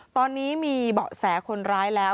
ตอนนี้มีเบาะแสคนร้ายแล้ว